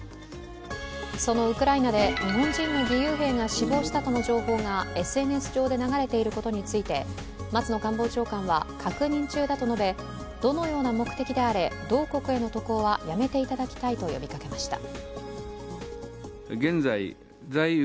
そのウクライナで日本人の義勇兵が死亡したとの情報がＳＮＳ上で流れていることについて、松野官房長官は確認中だと述べ、どのような目的であれ同国への渡航はやめていただきたいと呼びかけました。